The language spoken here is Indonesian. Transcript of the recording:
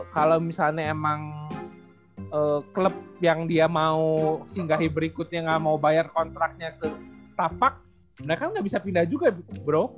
kalau misalnya emang klub yang dia mau singgahi berikutnya nggak mau bayar kontraknya ke stapak mereka nggak bisa pindah juga bro